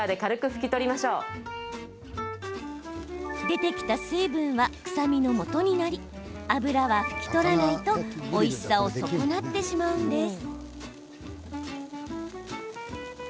出てきた水分は臭みのもとになり脂は拭き取らないとおいしさを損なってしまうんです。